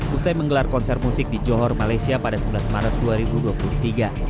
usai menggelar konser musik di johor malaysia pada sebelas maret dua ribu dua puluh tiga